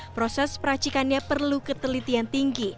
proses peracikannya perlu ketelitian tinggi